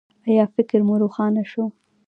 ایا فکر مو روښانه شو؟